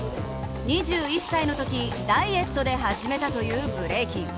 ２１歳のとき、ダイエットで始めたというブレイキン。